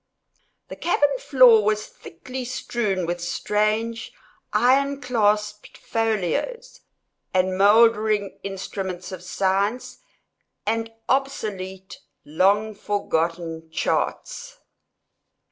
The cabin floor was thickly strewn with strange, iron clasped folios, and mouldering instruments of science, and obsolete long forgotten charts.